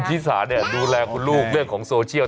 ที่สาเนี่ยดูแลคุณลูกเรื่องของโซเชียล